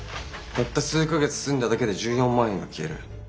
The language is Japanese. たった数か月住んだだけで１４万円が消える。